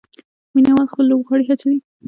مینه وال خپل لوبغاړي هڅوي.